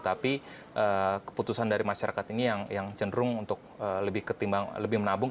tapi keputusan dari masyarakat ini yang cenderung untuk lebih ketimbang lebih menabung